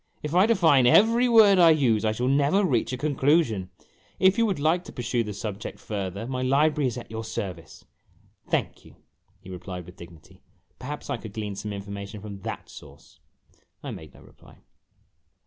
" If I define every word I use, I shall never reach a conclusion. If you would like to pursue the subject further, my library is at your service." "Thank you," he replied, with dignity; "perhaps I could glean some information from that source." I made no reply.